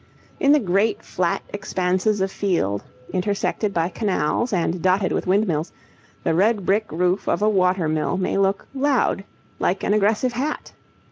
In the great flat expanses of field, intersected by canals and dotted with windmills, the red brick roof of a water mill may look 'loud,' like an aggressive hat.